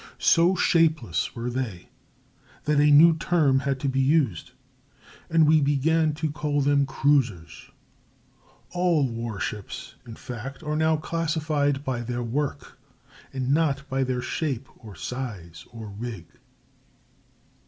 So shapeless were they that a new term had to be used, and we began to call them cruisers. All war ships, in fact, are now classified by their work, not by their shape or size or rig.